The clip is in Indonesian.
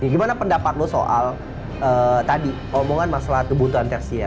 gimana pendapatmu soal tadi omongan masalah kebutuhan tersia